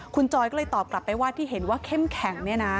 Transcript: คุณจอยก็เลยตอบกลับไปว่าที่เห็นว่าเข้มแข็งเนี่ยนะ